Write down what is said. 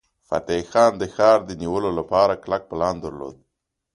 فتح خان د ښار د نیولو لپاره کلک پلان درلود.